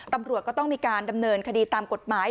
ตำรวจก็ต้องมีการดำเนินคดีตามกฎหมาย